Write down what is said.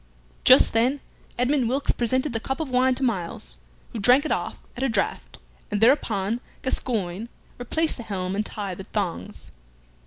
Just then Edmund Wilkes presented the cup of wine to Myles, who drank it off at a draught, and thereupon Gascoyne replaced the helm and tied the thongs.